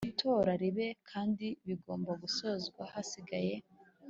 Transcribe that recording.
itora ribe kandi bigomba gusozwa hasigaye